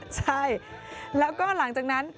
ใช่แล้วก็หลังจากนั้น